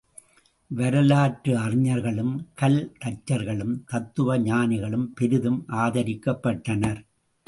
வரலாற்று அறிஞர்களும், கல் தச்சர்களும், தத்துவஞானிகளும் பெரிதும் ஆதரிக்கப்பட்டனர்.